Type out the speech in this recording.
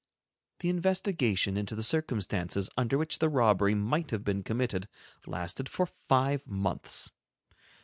The investigation into the circumstances under which the robbery might have been committed lasted for five months.